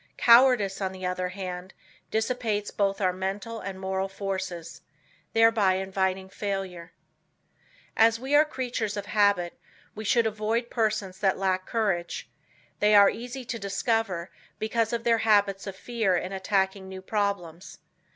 Cowardice on the other hand, dissipates both our mental and moral forces, thereby inviting failure. As we are creatures of habits, we should avoid persons that lack courage. They are easy to discover because of their habits of fear in attacking new problems.